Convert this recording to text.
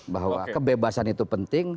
bahwa kebebasan itu penting